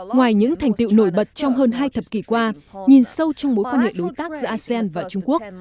ngoài những thành tiệu nổi bật trong hơn hai thập kỷ qua nhìn sâu trong mối quan hệ đối tác giữa asean và trung quốc